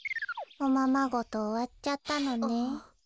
おままごとおわっちゃったのね。